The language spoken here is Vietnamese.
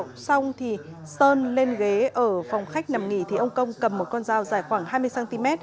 lúc xong thì sơn lên ghế ở phòng khách nằm nghỉ thì ông công cầm một con dao dài khoảng hai mươi cm